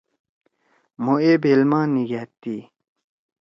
مھو اے بھیل ما نیکھأدتی